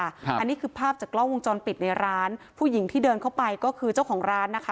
อันนี้คือภาพจากกล้องวงจรปิดในร้านผู้หญิงที่เดินเข้าไปก็คือเจ้าของร้านนะคะ